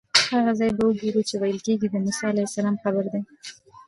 هغه ځای به وګورو چې ویل کېږي د موسی علیه السلام قبر دی.